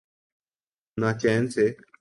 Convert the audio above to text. نہ چین سے۔